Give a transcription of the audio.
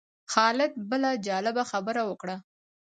خالد بله جالبه خبره وکړه.